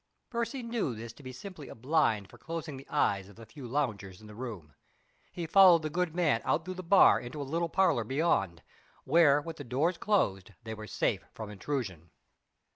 Percy knew this to be simply a blind for closing the eyes of the few loungers in the room. He followed the good man out through the bar into a little parlor beyond, where with the doors closed they were safe from intrusion.